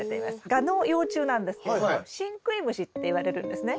ガの幼虫なんですけどシンクイムシっていわれるんですね。